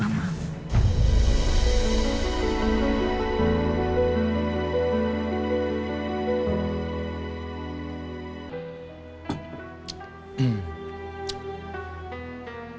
aku juga sangat menghormati mama